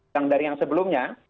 yang dari yang sebelumnya